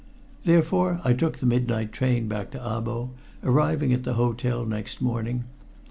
Therefore I took the midnight train back to Abo, arriving at the hotel next morning.